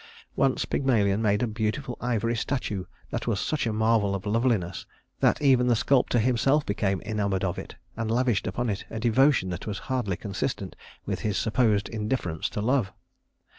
Once Pygmalion made a beautiful ivory statue that was such a marvel of loveliness that even the sculptor himself became enamored of it, and lavished upon it a devotion that was hardly consistent with his supposed indifference to love.